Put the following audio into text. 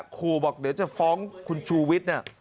ครูบอกเดี๋ยวจะฟ้องคุณชูวิทย์เนี่ย